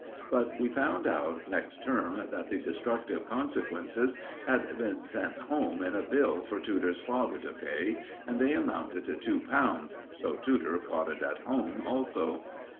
But we found out next term that the destructive consequences had been sent home in a bill for Tudor's father to pay, and they amounted to two pounds, so Tudor caught it at home also.